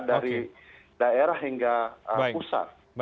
dari daerah hingga pusat